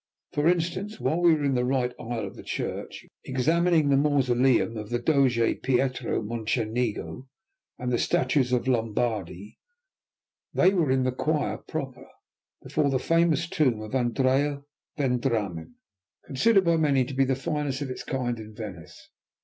For instance, while we were in the right aisle of the church, examining the mausoleum of the Doge, Pietro Mocenningo, and the statues of Lombardi, they were in the choir proper, before the famous tomb of Andrea Vendramin, considered by many to be the finest of its kind in Venice.